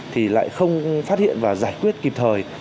thì lại không phát hiện và giải quyết kịp thời